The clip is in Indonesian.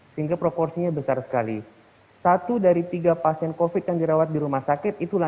sehingga di seluruh negara itu sama